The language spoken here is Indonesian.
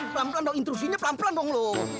pelan pelan dong intrusinya pelan pelan dong loh